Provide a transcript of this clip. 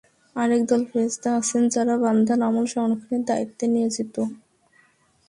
আরেক দল ফেরেশতা আছেন, যাঁরা বান্দার আমল সংরক্ষণের দায়িত্বে নিয়োজিত।